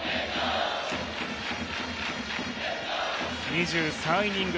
２３イニング